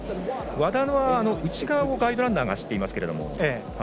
和田の内側をガイドランナーが走っていますけれども。